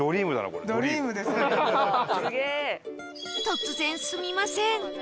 突然すみません